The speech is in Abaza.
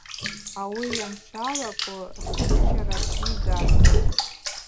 Ауи йанчӏвалакву рхъыччара бжьы йгӏатӏ.